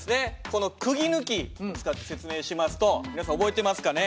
このくぎ抜き使って説明しますと皆さん覚えてますかね？